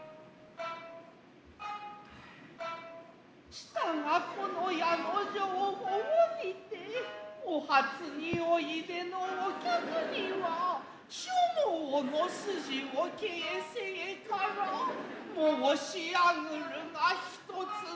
したがこの家の定法にてお初においでのお客には所望の筋を傾城から申上ぐるが一つの座興。